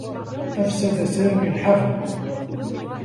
أفسد سامي الحفل.